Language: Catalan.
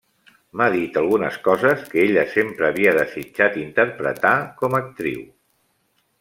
M'ha dit algunes coses que ella sempre havia desitjat interpretar com a actriu.